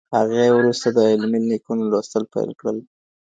هغې وروسته د علمي لیکنو لوستل پیل کړل.